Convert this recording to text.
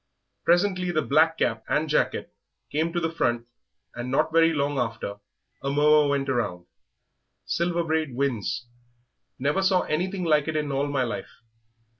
Presently the black cap and jacket came to the front, and not very long after a murmur went round, 'Silver Braid wins.' Never saw anything like it in all my life.